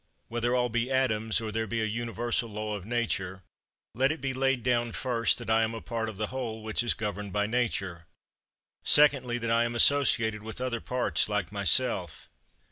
6. Whether all be atoms, or there be a universal Law of Nature, let it be laid down first that I am a part of the whole which is governed by Nature; secondly, that I am associated with other parts like myself.